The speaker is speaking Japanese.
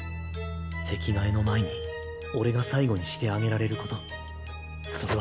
席替えの前に俺が最後にしてあげられることボール。